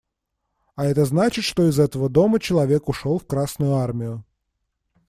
А это значит, что из этого дома человек ушел в Красную Армию.